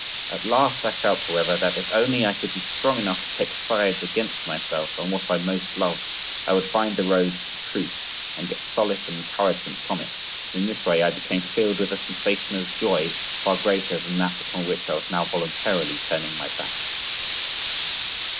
At last I felt, however, that if only I could be strong enough to take sides against myself and what I most loved I would find the road to truth and get solace and encouragement from it—and in this way I became filled with a sensation of joy far greater than that upon which I was now voluntarily turning my back.